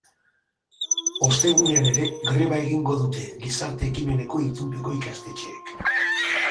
Ostegunean ere greba egingo dute gizarte ekimeneko itunpeko ikastetxeek.